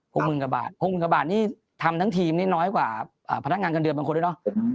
๖หมื่นกว่าบาท๖หมื่นกว่าบาทนี่ทำทั้งทีมน้อยกว่าพนักงานกันเดิมบางคนด้วยนะ